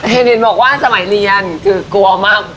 เห็นดินบอกว่าสมัยเรียนคือกลัวมาก